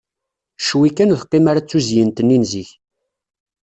Ccwi kan ur teqqim ara d tuzyint-nni n zik.